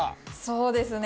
そうですね。